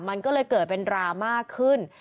มันก็เลยเกิดเป็นดราม่าขึ้น